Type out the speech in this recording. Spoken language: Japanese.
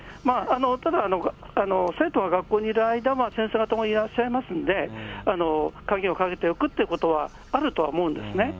ただ、生徒が学校にいる間は先生方もいらっしゃいますんで、鍵をかけておくっていうことはあるとは思うんですね。